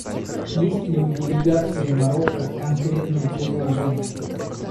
Есть ли у делегации Марокко конкретное предложение?